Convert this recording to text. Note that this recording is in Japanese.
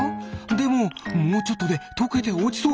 でももうちょっとでとけておちそう！